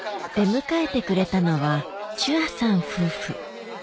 出迎えてくれたのはチュアさん夫婦